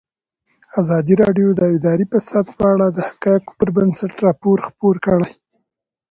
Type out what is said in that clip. ازادي راډیو د اداري فساد په اړه د حقایقو پر بنسټ راپور خپور کړی.